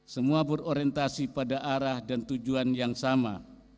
semua berorientasi pada arah dan tujuan yang sama